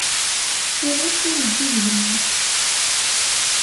Iɣes ur iddi d gma-s.